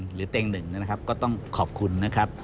เต็งหนึ่งนะครับก็ต้องขอบคุณนะครับ